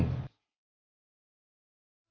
gak ada apa apa